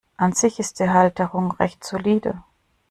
An sich ist die Halterung recht solide.